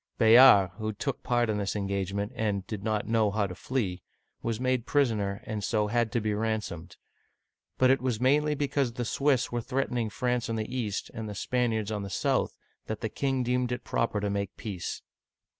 Bayard, who took part in this engagement and did not know how to flee, was made prisoner, and so had to be ransomed. But it was mainly because the Swiss were threatening France on the east, and the Spaniards on the south, that the king deemed it proper to make peace.